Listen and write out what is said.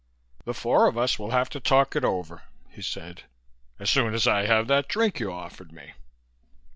"The four of us will have to talk it over," he said, "as soon as I have that drink you offered me."